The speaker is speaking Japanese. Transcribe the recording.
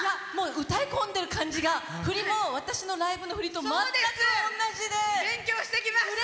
歌い込んでる感じが振りも私のライブの振りと勉強してきました！